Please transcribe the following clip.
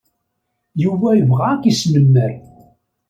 Yuba yebɣa ad k-yesnemmer.